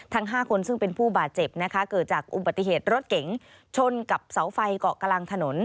ทั้ง๕คนซึ่งเป็นผู้บาดเจ็บนะคะเกิดจากอุบัติเหตุรถเก๋งชนกับเสาไฟเกาะกลางถนน